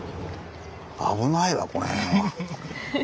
危ないわこの辺は。